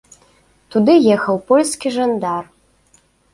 Туды ехаў польскі жандар.